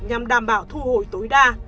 làm đảm bảo thu hồi tối đa